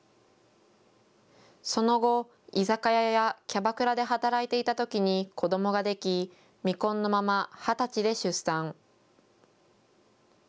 その後、居酒屋やキャバクラで働いていたときに子どもができ未婚のまま二十歳で出産。